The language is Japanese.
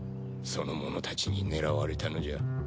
その者たちに狙われたのじゃ。